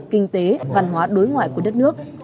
kinh tế văn hóa đối ngoại của đất nước